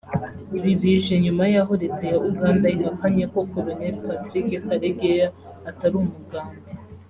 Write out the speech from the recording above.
Ibi bije nyuma y’aho Leta ya Uganda ihakanye ko Colonel Patrick Karegeya atari umugande